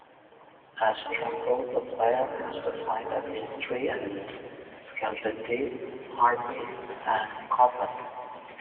As Draco, the player has to fight against three enemies: Skeleton-T, Harpy, and Choppun.